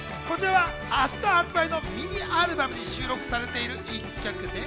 明日発売のミニアルバムに収録されている１曲です。